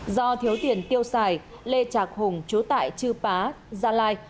do thiếu tiền tiêu xài lê trạc hùng chú tại chư pá gia lai